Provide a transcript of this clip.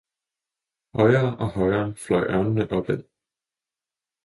Højere og højere fløj ørnene op ad.